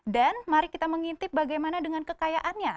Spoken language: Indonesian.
dan mari kita mengintip bagaimana dengan kekayaannya